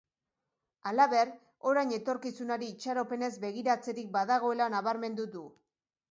Halaber, orain etorkizunari itxaropenez begiratzerik badagoela nabarmendu du.